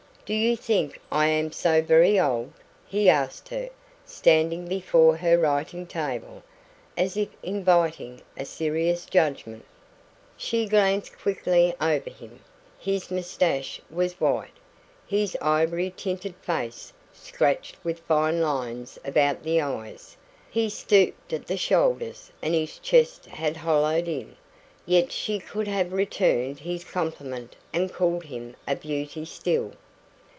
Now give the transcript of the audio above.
"Do you think I am so very old?" he asked her, standing before her writing table, as if inviting a serious judgment. She glanced quickly over him. His moustache was white, his ivory tinted face scratched with fine lines about the eyes; he stooped at the shoulders, and his chest had hollowed in. Yet she could have returned his compliment and called him a beauty still.